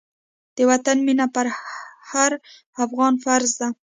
د وطن مينه په هر افغان فرض ده.